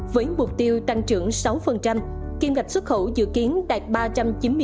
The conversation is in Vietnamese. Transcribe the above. với mục tiêu tăng trưởng sáu kiêm gạch xuất khẩu dự kiến đạt ba trăm chín mươi ba ba trăm chín mươi bốn tỷ usd